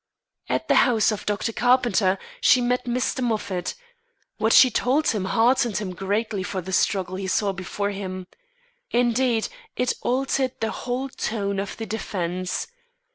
At the house of Dr. Carpenter she met Mr. Moffat. What she told him heartened him greatly for the struggle he saw before him. Indeed, it altered the whole tone of the defence.